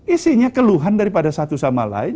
isinya keluhan daripada satu sama lain